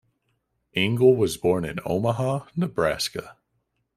Ingle was born in Omaha, Nebraska.